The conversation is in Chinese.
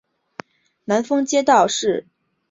南峰街道是中国浙江省仙居县所辖的一个街道。